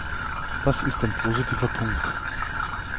Das ist ein positiver Punkt.